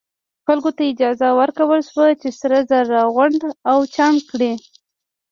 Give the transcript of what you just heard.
خلکو ته اجازه ورکړل شوه چې سره زر راغونډ او چاڼ کړي.